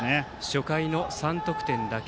初回の３得点だけ。